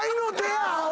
アホ！